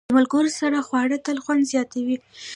د ملګرو سره خواړه تل خوند زیاتوي.